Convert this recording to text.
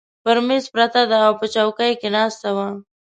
پر مېز پرته ده، او په چوکۍ کې ناسته وه.